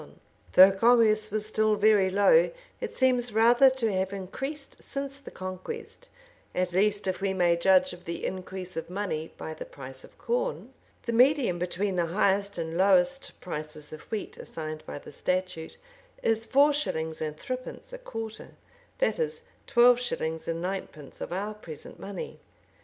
* So also Knyghton, p. 2444. Though commerce was still very low, it seems rather to have increased since the conquest; at least, if we may judge of the increase of money by the price of corn. The medium between the highest and lowest prices of wheat, assigned by the statute, is four shillings and threepence a quarter; that is, twelve shillings and ninepence of our present money.